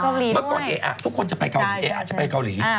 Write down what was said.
เมื่อก่อนเอ๊ะทุกคนจะไปเกาหลีเออาจจะไปเกาหลี